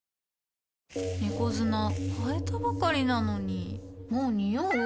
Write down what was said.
猫砂替えたばかりなのにもうニオう？